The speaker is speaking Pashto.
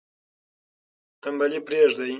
تنبلي پریږدئ.